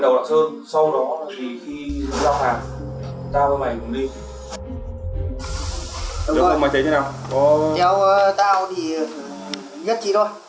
được rồi theo tao thì nhất chị thôi